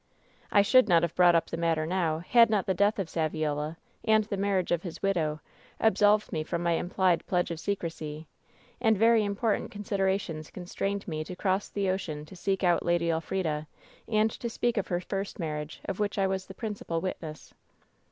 "I should not have brought up the matter now had not the death of Saviola and the marriage of his widow absolved me from my implied pledge of secrecy; and very important considerations constrained me to cross the ocean to seek out Lady Elfrida and to speak of her first marriage, of which I was the principal witness."